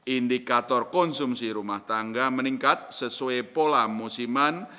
indikator konsumsi rumah tangga meningkat sesuai pola musiman